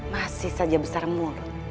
masih saja besar mul